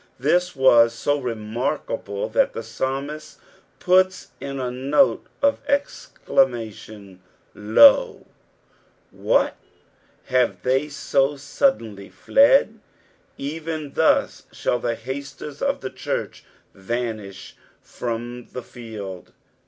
This was so remarkable that the p«ilmist puts in a note of exclamation, "Lof" What I have they so suddenly fied I Even thus shall the haters of the church vanish from the field.